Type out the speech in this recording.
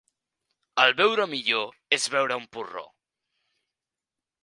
El beure millor és beure amb porró.